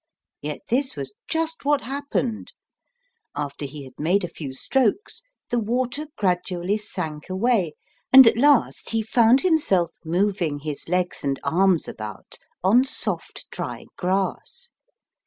Yet this was just what happened ; after he had made a few strokes the water gradually sank away, and at last he found himself moving his legs and arms about on soft dry grass.